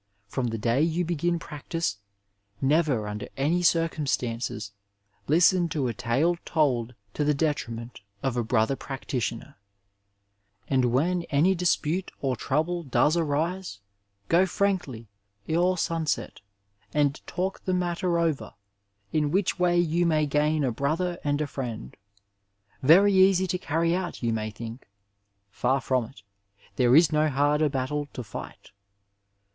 From the day you begin practice never under any circumstances listen to a tale told to the detriment of a brother practi 886 Digitized by VjOOQIC THE MASTER WORD IN MEDICINE tionei. And when any dispute or trouble does arise, go frankly, ere sunset, and talk the matter over, in which way you may gain a brother and a friend. Very easy to carry out, you may think ! Far from it ; there is no harder battle to fight.